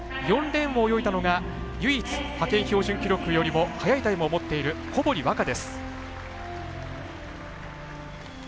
４レーンを泳いだのが唯一、派遣標準記録よりも早いタイムを持っている小堀倭加です。